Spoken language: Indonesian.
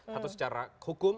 satu secara kukuh